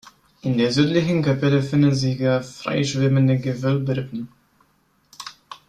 In der südlichen Kapelle finden sich gar freischwebende Gewölberippen.